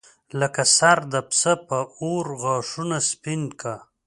لکه سر د پسه په اور غاښونه سپین کا.